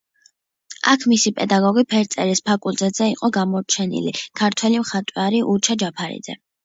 აქ მისი პედაგოგი ფერწერის ფაკულტეტზე იყო გამოჩენილი ქართველი მხატვარი უჩა ჯაფარიძე.